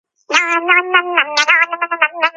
სწორედ აქედან მომდინარეობს სოფლის ეს სახელი.